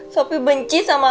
sopi benci sama atu